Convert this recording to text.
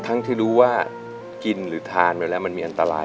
ทั้งที่รู้ว่ากินมันมีอันตราย